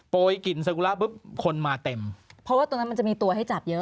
กลิ่นสกุระปุ๊บคนมาเต็มเพราะว่าตรงนั้นมันจะมีตัวให้จับเยอะ